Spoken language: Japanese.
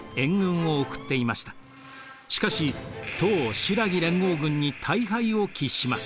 しかし唐・新羅連合軍に大敗を喫します。